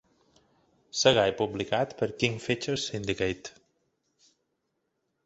Segar i publicat per King Features Syndicate.